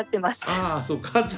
ああそうか。